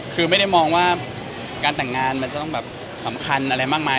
คือไม่ได้มองว่าการแต่งงานมันจะต้องแบบสำคัญอะไรมากมาย